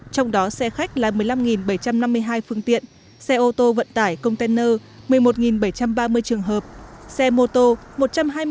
trong đó xe khách là một mươi năm bảy trăm năm mươi hai phương tiện xe ô tô vận tải container một mươi một bảy trăm ba mươi trường hợp xe mô tô một trăm hai mươi ba trăm hai mươi sáu trường hợp